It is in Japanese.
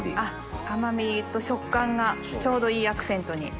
甘味と食感がちょうどいいアクセントに。